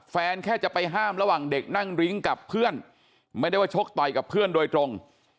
แค่จะไปห้ามระหว่างเด็กนั่งริ้งกับเพื่อนไม่ได้ว่าชกต่อยกับเพื่อนโดยตรง